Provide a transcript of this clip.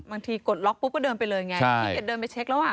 บางทีกดล็อกปุ๊บก็เดินไปเลยไงใช่ที่เดินไปเช็คแล้วอ่ะ